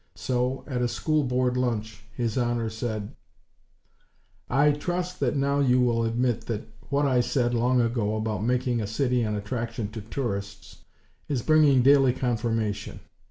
So, at a School Board lunch, His Honor said: "I trust that now you will admit that what I said long ago about making a city an attraction to tourists, is bringing daily confirmation.